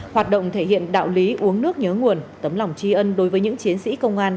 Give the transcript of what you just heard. hoạt động thể hiện đạo lý uống nước nhớ nguồn tấm lòng tri ân đối với những chiến sĩ công an